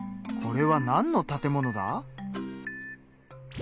これはなんの建物だ？